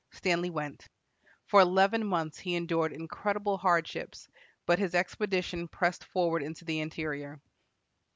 Stanley went. For eleven months he endured incredible hardships, but his expedition pressed forward into the interior.